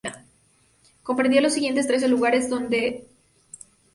Comprendía los siguientes trece lugares, todos con jurisdicción de realengo.